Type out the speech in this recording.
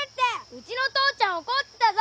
ウチの父ちゃん怒ってたぞ！